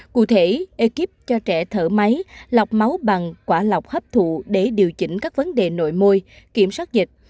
cụ thể ekip cho trẻ thở máy lọc máu bằng quả lọc hấp thụ để điều chỉnh các vấn đề nội môi kiểm soát dịch